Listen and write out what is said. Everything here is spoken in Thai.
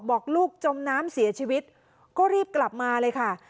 บอกลูกจมน้ำเสียชีวิตก็รีบกลับมาเลยค่ะ